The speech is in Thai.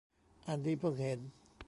อันนี้เพิ่งเห็น